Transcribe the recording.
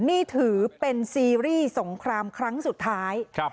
นี่ถือเป็นซีรีส์สงครามครั้งสุดท้าย